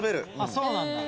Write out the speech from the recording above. そうなんだ。